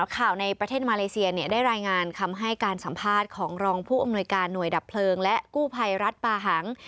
การทำงานคำให้การสัมภาษณ์ของรองผู้อำนวยการหน่วยดับเพลิงและกู้ภัยรัฐปาหัง